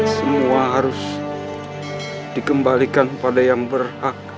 semua harus dikembalikan kepada yang berhak